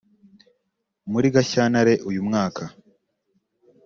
muri Gashyantare uyu mwaka